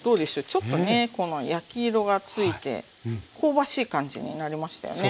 ちょっとねこの焼き色がついて香ばしい感じになりましたよね。